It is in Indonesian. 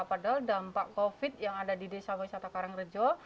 padahal dampak covid yang ada di desa wisata karangrejo